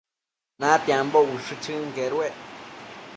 Natiambo ushë chënquedued